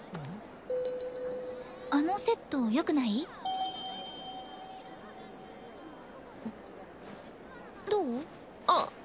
あのセットよくない？あっ。